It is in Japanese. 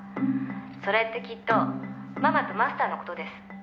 「それってきっとママとマスターの事です」